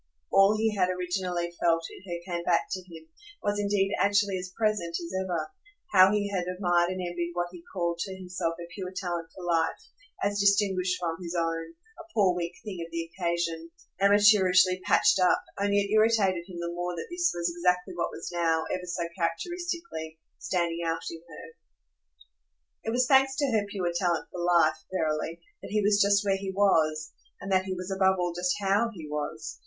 All he had originally felt in her came back to him, was indeed actually as present as ever how he had admired and envied what he called to himself her pure talent for life, as distinguished from his own, a poor weak thing of the occasion, amateurishly patched up; only it irritated him the more that this was exactly what was now, ever so characteristically, standing out in her. It was thanks to her pure talent for life, verily, that he was just where he was and that he was above all just HOW he was.